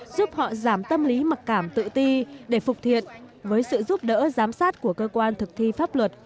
giúp họ giảm tâm lý mặc cảm tự ti để phục thiện với sự giúp đỡ giám sát của cơ quan thực thi pháp luật